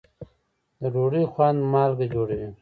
د ډوډۍ خوند مالګه جوړوي.